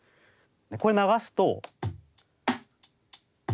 これ流すと。